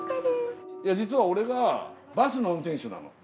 実は俺がバスの運転手なの。